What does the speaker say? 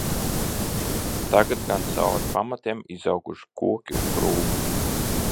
Tagad gan cauri pamatiem izauguši koki un krūmi.